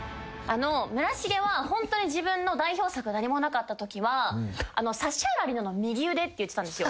村重はホントに自分の代表作何もなかったときは。って言ってたんですよ。